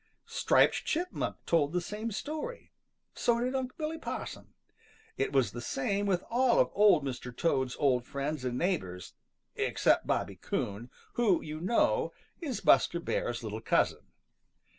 Striped Chipmunk told the same story. So did Unc' Billy Possum. It was the same with all of Old Mr. Toad's old friends and neighbors, excepting Bobby Coon, who, you know, is Buster Bear's little cousin.